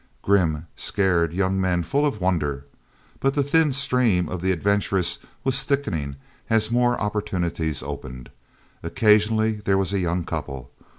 Grim, scared young men, full of wonder. But the thin stream of the adventurous was thickening, as more opportunities opened. Occasionally there was a young couple.